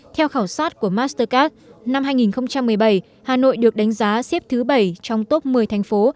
theo khảo sát của mastercard năm hai nghìn một mươi bảy hà nội được đánh giá xếp thứ bảy trong top một mươi thành phố